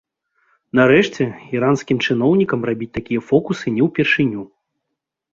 Нарэшце, іранскім чыноўнікам рабіць такія фокусы не ўпершыню.